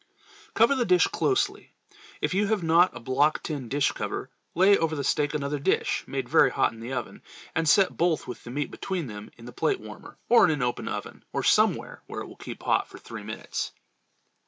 Cover the dish closely. If you have not a block tin dish cover, lay over the steak another dish, made very hot in the oven, and set both with the meat between them in the plate warmer, or in an open oven, or somewhere where it will keep hot for three minutes.